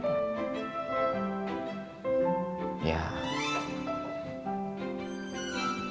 kamu orangnya ternyata open minded lah